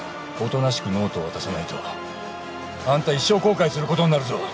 おとなしくノートを渡さないとアンタ一生後悔することになるぞ。